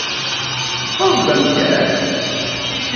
Teṭṭfeḍ-d amkan?